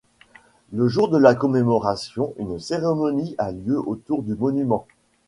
Le jour de la commémoration, une cérémonie a lieu autour du monument.